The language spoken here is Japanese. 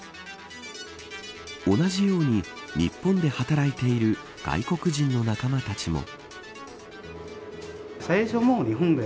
同じように日本で働いている外国人の仲間たちも。